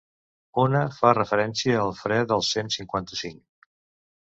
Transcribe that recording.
Una fa referència al fre del cent cinquanta-cinc.